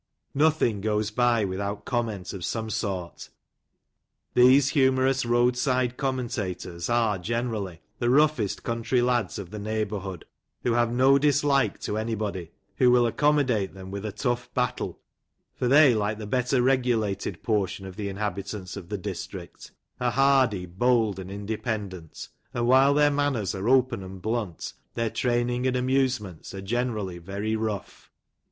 Nothing goes by without comment of some sort. These humourous road side commentators are, generally, the roughest country lads of the neighbourhood, A\ho have no dislike to anybody, who will accommodate them with a tough battle ; for they, like the better regulated portion of the inhabitants of the district, are hardy, bold, and inde pendent ; and, while their manners are open and blunt, their training and amusements are generally very rough.